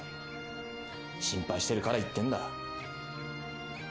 「心配してるから言ってんだ」